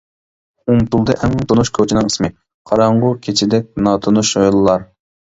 ئۇنتۇلدى ئەڭ تونۇش كوچىنىڭ ئىسمى، قاراڭغۇ كېچىدەك ناتونۇش يوللار.